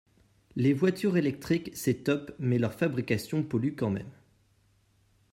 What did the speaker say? Les voitures electriques c'est top mais leur fabrication pollue quand même.